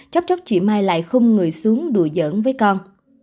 chóc chóc chị mai lại khung người xuống đùa giỡn với con